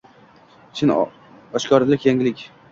— Chin, oshkoralik — yangilik.